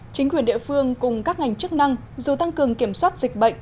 chính quyền địa phương cùng các ngành chức năng dù tăng cường kiểm soát dịch bệnh